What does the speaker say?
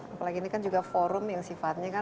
apalagi ini kan juga forum yang sifatnya kan